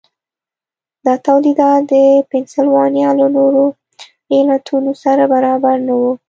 دا تولیدات د پنسلوانیا او نورو ایالتونو سره برابر نه وو.